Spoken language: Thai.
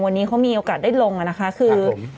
วันนี้เค้ามีโอกาสได้ลงคือ